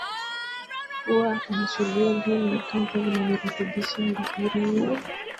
kuwa ameshuhudia vinu kadhaa vinavyorutubisha uranium